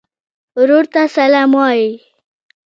ورور ته سلام وایې.